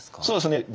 そうですね。